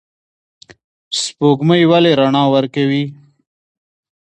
سپوږمۍ ولې رڼا ورکوي؟